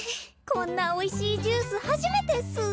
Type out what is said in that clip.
こんなおいしいジュース初めてっす。